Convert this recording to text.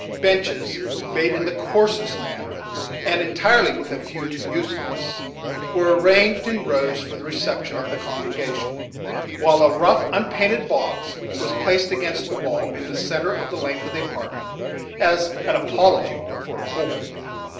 Benches; made in the coarsest manner, and entirely with a view to usefulness, were arranged in rows for the reception of the Congregation; while a rough, unpainted box was placed against the wall, in the centre of the length of the apartment, as an apology for a pulpit.